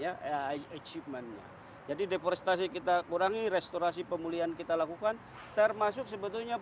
ya achievementnya jadi deforestasi kita kurangi restorasi pemulihan kita lakukan termasuk sebetulnya